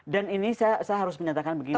dan ini saya harus menyatakan begini